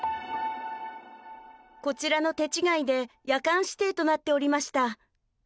こちらの手違いで夜間指定となっておりました。